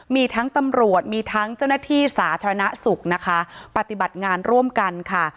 มีทั้งตำรวจมีทั้งเจ้าหน้าที่สาธารณสุขนะคะปฏิบัติงานร่วมกันค่ะ